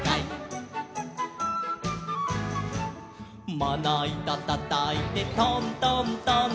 「まないたたたいてトントントン」